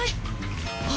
あ！